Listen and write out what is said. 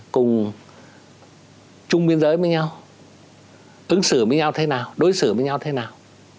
cùng chung biên giới với nhau ứng xử với nhau thế nào đối xử với nhau thế nào